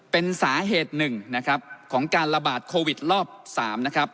เป็นสาเหตุหนึ่งนะครับของการระบาดโควิดรอบ๓นะครับ